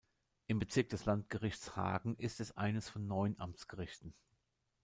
Im Bezirk des Landgerichts Hagen ist es eines von neun Amtsgerichten.